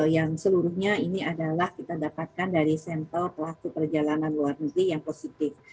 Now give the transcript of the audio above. yang seluruhnya ini adalah kita dapatkan dari sampel pelaku perjalanan luar negeri yang positif